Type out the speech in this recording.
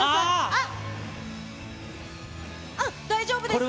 あっ、大丈夫です。